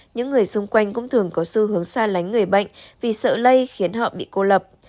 những người xung quanh cũng thường có xu hướng xa lánh người bệnh vì sợ lây khiến họ bị cô lập